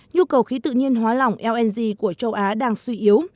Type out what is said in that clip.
nhu cầu khí tự nhiên hóa lỏng lng của châu á đang suy yếu